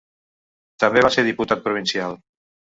També va ser diputat provincial.